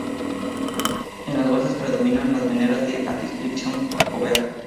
En las basas predominan las veneras de adscripción jacobea.